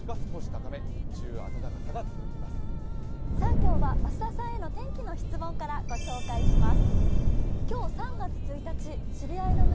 今日は増田さんへの天気の質問からお伝えします。